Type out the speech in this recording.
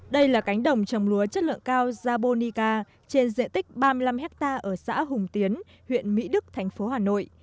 đây là cánh đồng trồng lúa chất lượng cao jabonica trên diện tích ba mươi năm hectare ở xã hùng tiến huyện mỹ đức thành phố hà nội